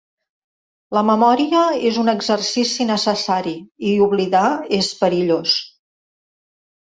La memòria és un exercici necessari i oblidar és perillós.